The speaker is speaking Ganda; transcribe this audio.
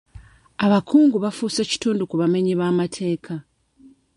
Abakungu bafuuse kitundu ku bamenyi b'amateeka.